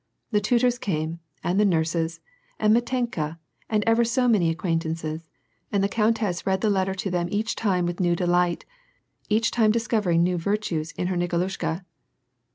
The tutors cajne, and the nurses, and Mitenka, and ever so many acquaintances, and the countess read the letter to them each time with new delight, each time discovering new virtues in her Niko lushka.